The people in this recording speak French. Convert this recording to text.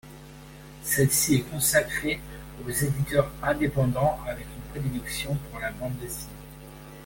Celle-ci est consacrée aux éditeurs indépendants, avec une prédilection pour la bande dessinée.